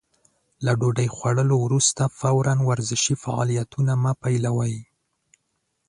له ډوډۍ خوړلو وروسته فورً ورزشي فعالیتونه مه پيلوئ.